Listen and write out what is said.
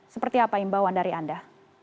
seperti apa imbauan dari anda